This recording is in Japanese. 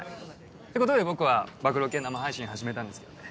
ってことで僕は暴露系生配信始めたんですけどね。